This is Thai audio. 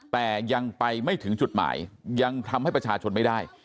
แต่ยังไปไม่ถึงจุดหมายยังทำให้ประชาชนไม่ได้